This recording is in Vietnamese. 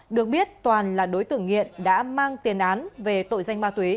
được biết toàn là đối tượng nghiện đã mang tiền án về tội danh ma túy